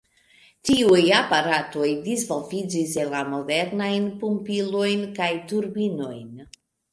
Tiuj aparatoj disvolviĝis en la modernajn pumpilojn kaj turbinojn.